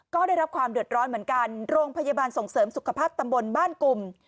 ก็ได้รับความเดือดร้อนเหมือนกันโรงพยาบาลส่งเสริมสุขภาพตำบลบ้านกลุ่ม